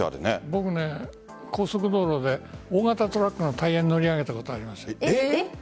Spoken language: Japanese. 僕、高速道路で大型トラックのタイヤに乗り上げたことがあります。